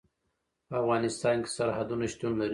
په افغانستان کې سرحدونه شتون لري.